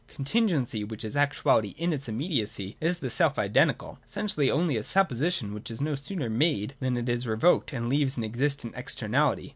Con tingency, which is actuality in its immediacy, is the self identical, essentially only as a supposition which is no sooner made than it is revoked and leaves an existent externality.